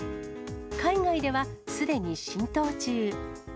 海外ではすでに浸透中。